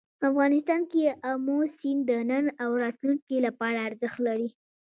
افغانستان کې آمو سیند د نن او راتلونکي لپاره ارزښت لري.